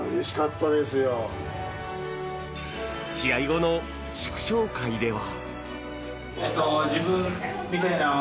試合後の祝勝会では。